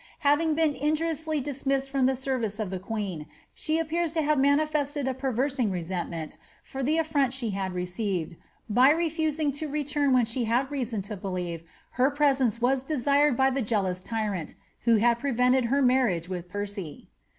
Having been injuriously dismissed from the service of the queen, she appears to have onnifested a persevering resentment, for the affront she had received, by refusing to return when she had reason to believe her presence was de nied by the jealous tyrant who had prevent^ her marriage with Peroy.